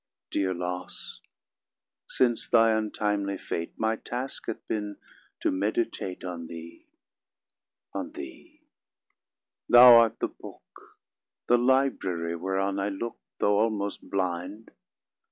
Dear loss! since thy untimely fate, My task hath been to meditate On thee, on thee: thou art the book, The library, whereon I look, 10 Though almost blind.